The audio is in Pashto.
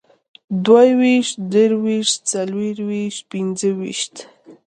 دوهويشت، دريويشت، څلرويشت، پينځهويشت